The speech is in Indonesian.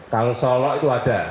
kalau solo itu ada